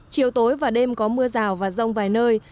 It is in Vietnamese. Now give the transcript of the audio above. chiều tối và đêm có mưa rào và rông vài nơi